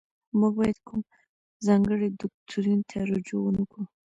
موږ باید کوم ځانګړي دوکتورین ته رجوع ونکړو.